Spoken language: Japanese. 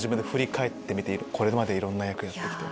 これまでいろんな役やってきて。